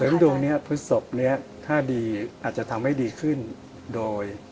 เสริมดวงพฤศพเนี่ยถ้าดีอาจจะทำให้ดีขึ้นโดย